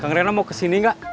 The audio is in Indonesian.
kang rena mau kesini gak